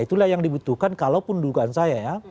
itulah yang dibutuhkan kalaupun dugaan saya ya